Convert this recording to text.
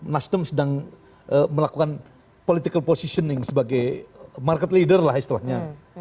nasdem sedang melakukan political positioning sebagai market leader lah istilahnya